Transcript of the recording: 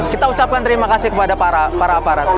kita ucapkan terima kasih kepada para aparat